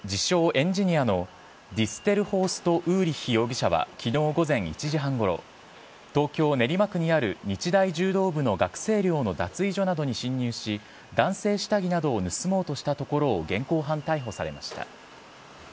エンジニアの、ディステルホースト・ウーリッヒ容疑者はきのう午前１時半ごろ、東京・練馬区にある日大柔道部の学生寮の脱衣所などに侵入し、男性下着などを盗もうとしたところを、現行犯逮捕されました。